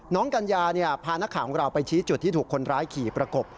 กัญญาพานักข่าวของเราไปชี้จุดที่ถูกคนร้ายขี่ประกบ